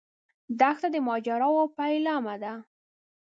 دښته د ماجراوو پیلامه ده.